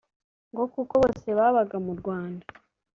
ngo kuko bose babaga mu Rwanda